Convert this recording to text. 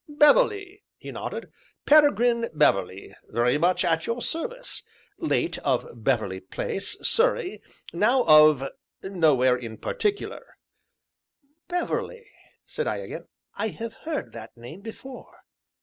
"Beverley," he nodded, "Peregrine Beverley, very much at your service late of Beverley Place, Surrey, now of Nowhere in Particular." "Beverley," said I again, "I have heard that name before."